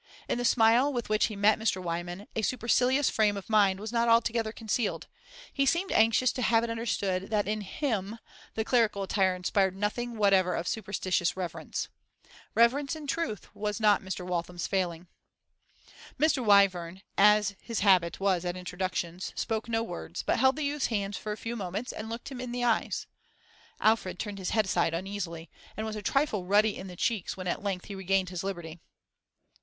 In the smile with which he met Mr. Wyvern a supercilious frame of mind was not altogether concealed; he seemed anxious to have it understood that in him the clerical attire inspired nothing whatever of superstitious reverence. Reverence, in truth, was not Mr. Waltham's failing. Mr. Wyvern, as his habit was at introductions, spoke no words, but held the youth's hand for a few moments and looked him in the eyes. Alfred turned his head aside uneasily, and was a trifle ruddy in the cheeks when at length he regained his liberty.